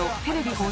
放送